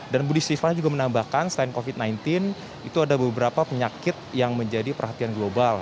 dan juga menambahkan selain covid sembilan belas itu ada beberapa penyakit yang menjadi perhatian global